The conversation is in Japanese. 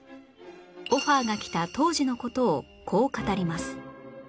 オファーが来た当時の事をこう語ります